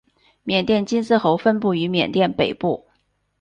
缅甸金丝猴分布于缅甸北部。